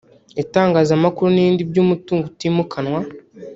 itangazamakuru n’ibindi by’umutungo utimukanwa